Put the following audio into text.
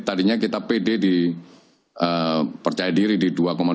tadinya kita pede di percaya diri di dua tiga